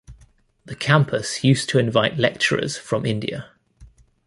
The campus used to invite lecturers from India.